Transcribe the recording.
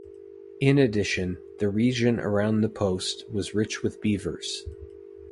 In addition, the region around the post was rich with beavers.